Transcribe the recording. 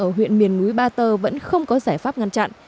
ở huyện miền núi ba tơ vẫn không có giải pháp ngăn chặn